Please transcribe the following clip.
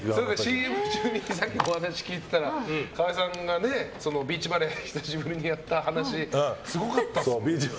ＣＭ中にお話聞いてたら川合さんがビーチバレー久しぶりにやった話すごかったですよね。